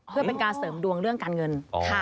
เพื่อเป็นการเสริมดวงเรื่องการเงิน